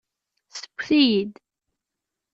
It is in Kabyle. Sewwet-iyi-d.